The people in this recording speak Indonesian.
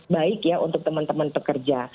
baik ya untuk teman teman pekerja